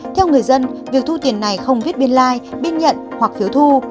theo người dân việc thu tiền này không viết biên lai biên nhận hoặc phiếu thu